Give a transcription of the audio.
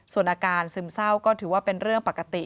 ส่วนอาการซึมเศร้าก็ถือว่าเป็นเรื่องปกติ